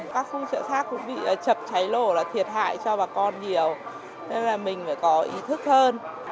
các khu chợ khác cũng bị chập cháy nổ là thiệt hại cho bà con nhiều nên là mình phải có ý thức hơn